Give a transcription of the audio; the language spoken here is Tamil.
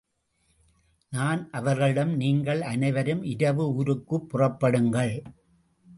நான் அவர்களிடம், நீங்கள் அனைவரும் இரவு ஊருக்குப் புறப்படுங்கள்.